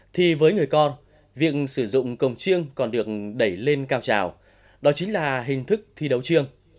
thì với người con việc sử dụng cổng chiêng còn được đẩy lên cao trào đó chính là hình thức thi đấu trương